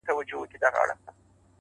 هغه سړی کلونه پس دی ـ راوتلی ښار ته ـ